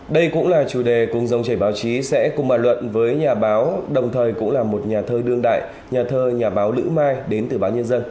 đây cũng là chủ đề cùng dòng chảy báo chí sẽ cùng bàn luận với nhà báo đồng thời cũng là một nhà thơ đương đại nhà thơ nhà báo lữ mai đến từ báo nhân dân